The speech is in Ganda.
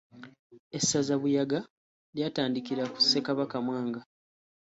Essaza Buyaga lyatandikira ku Ssekabaka Mwanga